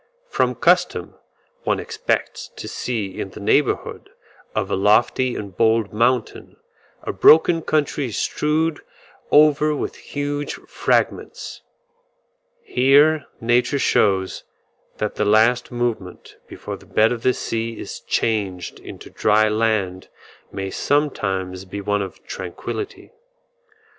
From custom, one expects to see in the neighbourhood of a lofty and bold mountain, a broken country strewed over with huge fragments. Here nature shows that the last movement before the bed of the sea is changed into dry land may sometimes be one of tranquillity.